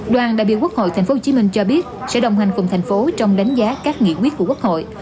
đoàn đại biểu quốc hội thành phố hồ chí minh cho biết sẽ đồng hành cùng thành phố trong đánh giá các nghị quyết của quốc hội